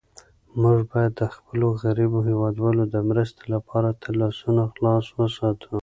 موږ باید د خپلو غریبو هېوادوالو د مرستې لپاره تل لاسونه خلاص وساتو.